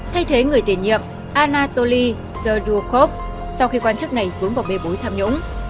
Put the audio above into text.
thay thế người tiền nhiệm anatoly serdukov sau khi quan chức này vướng vào bê bối tham nhũng